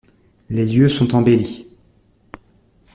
Les lieux sont embellis.